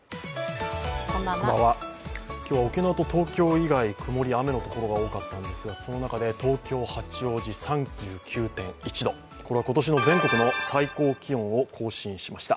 今日は沖縄と東京以外、曇り、雨のところが多かったんですが、その中で東京・八王子、３９．１度、これは今年の全国の最高気温を更新しました。